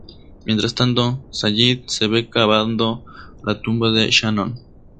Mientras tanto, Sayid se ve cavando la tumba de Shannon.